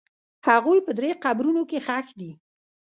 هغوی په درې قبرونو کې ښخ دي.